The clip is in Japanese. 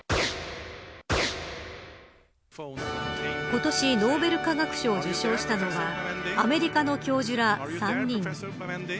今年ノーベル化学賞を受賞したのはアメリカの教授ら３人。